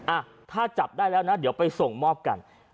อ่ะถ้าจับได้แล้วนะเดี๋ยวไปส่งมอบกัน